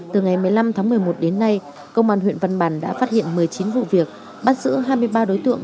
từ ngày một mươi năm tháng một mươi một đến nay công an huyện văn bàn đã phát hiện một mươi chín vụ việc bắt giữ hai mươi ba đối tượng